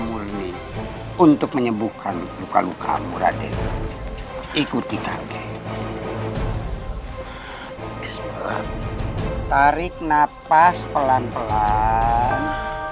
pulih untuk menyembuhkan luka luka muradik ikuti kakek tarik nafas pelan pelan